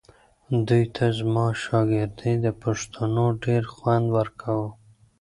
دوی ته زما شاګردۍ او پوښتنو ډېر خوند ورکاوو.